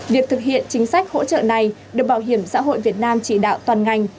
việc thực hiện chính sách hỗ trợ này được bảo hiểm xã hội việt nam chỉ đạo toàn ngành